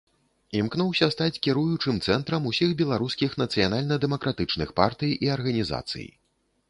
Імкнуўся стаць кіруючым цэнтрам усіх беларускіх нацыянальна-дэмакратычных партый і арганізацый.